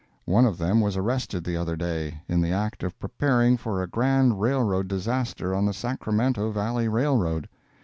One of them was arrested the other day, in the act of preparing for a grand railroad disaster on the Sacramento Valley Railroad.